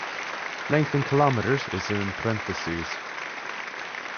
Length in kilometers is in parentheses.